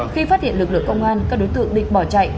khi phát hiện lực lượng công an các đối tượng định bỏ chạy